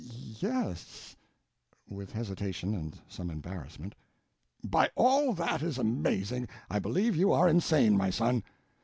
"Ye—s—" with hesitation and some embarrassment. "By all that is amazing, I believe you are insane, my son.